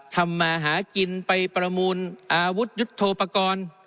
ทำมาหากินไปประมูลอาวุธยุทธโทปกรณ์